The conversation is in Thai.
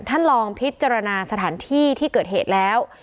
ท่านลองพิจารณาสถานที่ที่เกิดเหตุแล้ว